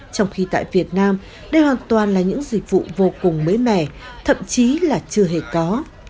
trong khi tại việt nam đây hoàn toàn là những dịch vụ vô cùng mới mẻ thậm chí là chưa hề có